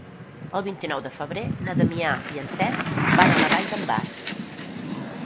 El vint-i-nou de febrer na Damià i en Cesc van a la Vall d'en Bas.